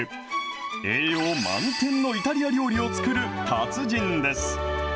栄養満点のイタリア料理を作る達人です。